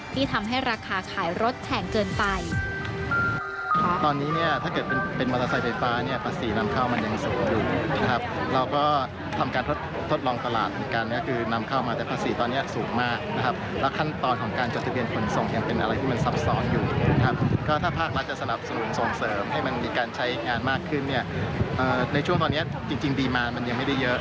ที่ทำให้ราคาขายรถแพงเกินไป